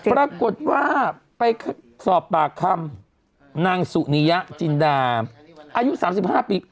ปรากฏว่าไปสอบป่าค่ำนางสูนิยะจินดามอายุสามสิบห้าปี